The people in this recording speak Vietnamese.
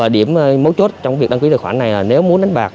điểm mấu chốt trong việc đăng ký tài khoản này nếu muốn đánh bạc